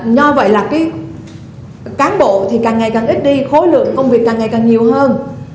do vậy là cái cán bộ thì càng ngày càng ít đi khối lượng công việc càng ngày càng nhiều hơn